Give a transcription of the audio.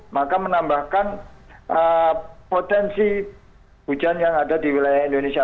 maka menambahkan potensi hujan yang ada di wilayah indonesia